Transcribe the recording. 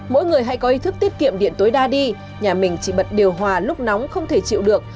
mỗi người hãy có ý thức tiết kiệm điện tối đa đi nhà mình chỉ bật điều hòa lúc nóng không thể chịu được